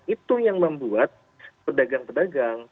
itu yang membuat pedagang pedagang